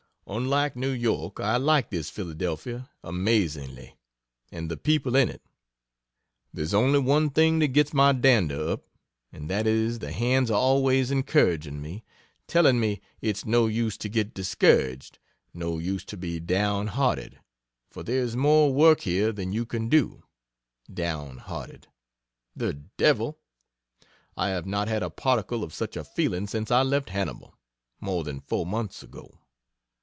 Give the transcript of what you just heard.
Unlike New York, I like this Philadelphia amazingly, and the people in it. There is only one thing that gets my "dander" up and that is the hands are always encouraging me: telling me "it's no use to get discouraged no use to be down hearted, for there is more work here than you can do!" "Down hearted," the devil! I have not had a particle of such a feeling since I left Hannibal, more than four months ago.